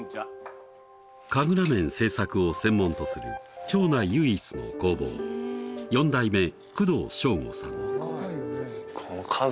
神楽面制作を専門とする町内唯一の工房４代目工藤省悟さん